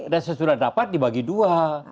dan sesudah dapat dibagi dua